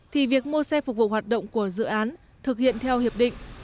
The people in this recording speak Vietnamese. thì việc mua xe phục vụ hoạt động của dự án thực hiện theo hiệp định